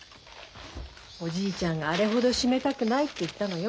おじいちゃんがあれほど閉めたくないって言ったのよ。